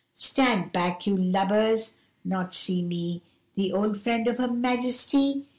'Stand back, you lubbers! Not see me, The old friend of Her Majesty?